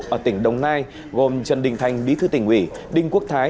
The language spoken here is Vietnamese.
ở tỉnh đồng nai gồm trần đình thành bí thư tỉnh ủy đinh quốc thái